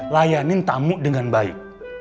layanin tamu dengan baik